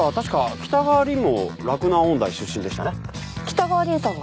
北川凛さんが？